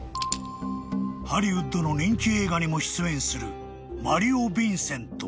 ［ハリウッドの人気映画にも出演する］